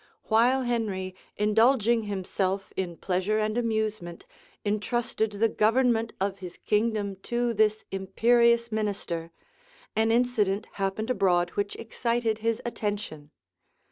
{1519.} While Henry, indulging himself in pleasure and amusement, intrusted the government of his kingdom to this imperious minister, an incident happened abroad which excited his attention.